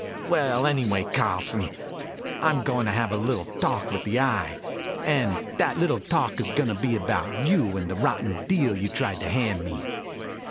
"Well anyway, Carlson, I'm going to have a little talk with the Eye. And that little talk is going to be about you and the rotten deal you tried to hand me."